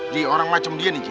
dia orang macem dia nih ji